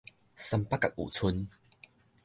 三八甲有賰